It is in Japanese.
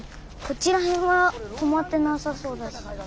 こっちら辺はとまってなさそうだし。